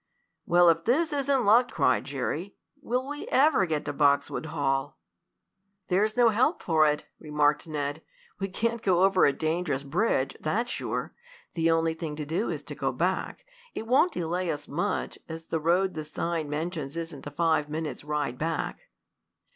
"Well, if this isn't luck!" cried Jerry. "Will we ever get to Boxwood Hall?" "There's no help for it," remarked Ned. "We can't go over a dangerous bridge, that's sure. The only thing to do is to go back. It won't delay us much, as the road the sign mentions isn't a five minutes' ride back."